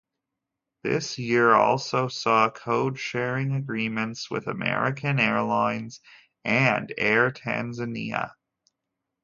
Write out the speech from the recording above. This year also saw codesharing agreements with American Airlines and Air Tanzania.